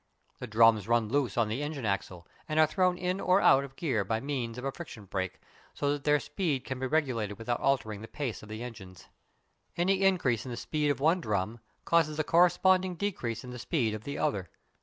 The drums run loose on the engine axle, and are thrown in or out of gear by means of a friction brake, so that their speed can be regulated without altering the pace of the engines. Any increase in the speed of one drum causes a corresponding decrease in the speed of the other.